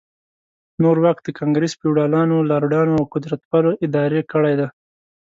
نور واک د ګانګرس فیوډالانو، لارډانو او قدرتپالو اداره کړی دی.